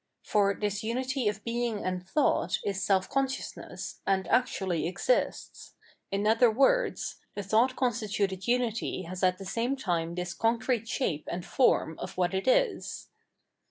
For this unity of being and thought is self consciousness and actually exists; in other words, the thought con stituted umty has at the same tune this concrete shape and form of what it is.